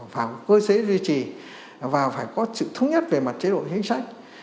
phải có cơ chế duy trì và phải có sự thống nhất về mặt chế đội ngân sách